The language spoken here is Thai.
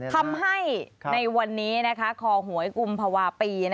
ทำให้ในวันนี้คอหวยกุมภาวะปี